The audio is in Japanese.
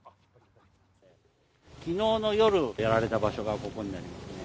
きのうの夜、やられた場所がここになりますね。